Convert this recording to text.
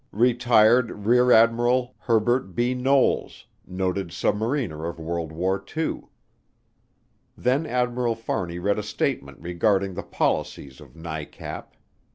Retired Rear Admiral Herbert B. Knowles, noted submariner of World War II. Then Admiral Fahrney read a statement regarding the policies of NICAP.